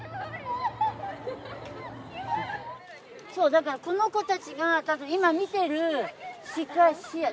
だからこの子たちがたぶん今見てる視界視野。